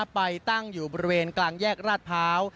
ไปตั้งอยู่บริเวณกลางแยกราชพร้าว